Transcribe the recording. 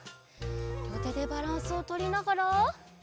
りょうてでバランスをとりながら。